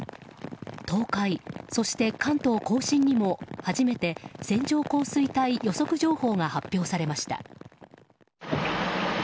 東海、そして関東・甲信にも初めて線上降水帯予測情報が発表されました。